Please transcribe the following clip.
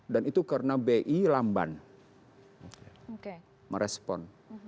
dan itu karena bi lamban merespon